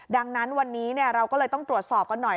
ดังนั้นวันนี้เราก็เลยต้องตรวจสอบกันหน่อย